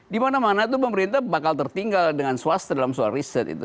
dimana mana itu pemerintah bakal tertinggal dengan swasta dalam soal riset itu